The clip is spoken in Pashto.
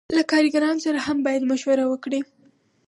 له کارکوونکو سره هم باید مشوره وکړي.